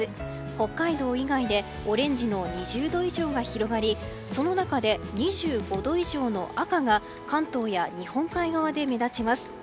北海道以外でオレンジの２０度以上が広がりその中で２５度以上の赤が関東や日本海側で目立ちます。